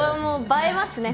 映えますね。